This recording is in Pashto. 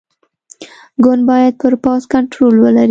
ګوند باید پر پوځ کنټرول ولري.